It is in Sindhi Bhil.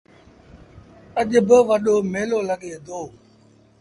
اَڄ با وڏو ميلو لڳي دو۔